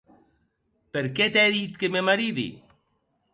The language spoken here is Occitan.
Perque t’è dit que me maridi?